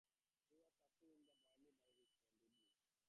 He was succeeded in the barony by his son, Dudley.